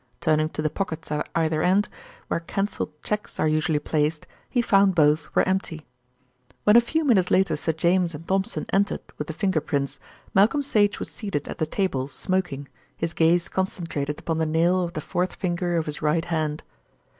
Turning to the pockets at either end, where cancelled cheques are usually placed, he found both were empty. When a few minutes later Sir James and Thompson entered with the finger prints, Malcolm Sage was seated at the table smoking, his gaze concentrated upon the nail of the fourth finger of his right hand.